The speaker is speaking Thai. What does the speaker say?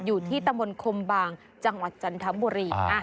อยู่ที่ตำบลคมบางจังหวัดจันทบุรี